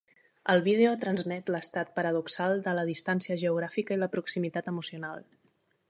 El vídeo transmet l'estat paradoxal de la distància geogràfica i la proximitat emocional.